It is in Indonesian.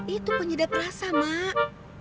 itu penyedap rasa mak